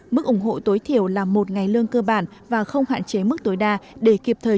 mức ủng hộ tối thiểu là một ngày lương cơ bản và không hạn chế mức tối đa để kịp thời